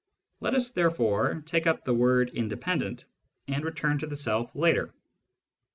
Let us therefore take up the word "independent," and return to the Self later.